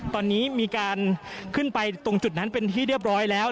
ตอนนี้มีการขึ้นไปตรงจุดนั้นเป็นที่เรียบร้อยแล้ว